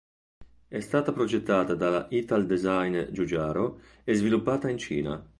È stata progettata dalla Italdesign Giugiaro e sviluppata in Cina.